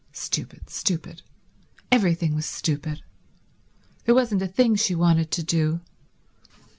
Stupid, stupid. Everything was stupid. There wasn't a thing she wanted to do.